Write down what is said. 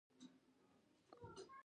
د جومات ملا امامان خلک هڅوي؟